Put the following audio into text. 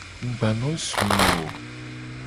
Mu gba no zui wo o.